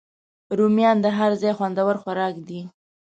رومیان د هر ځای خوندور خوراک دی